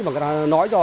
mà người ta nói cho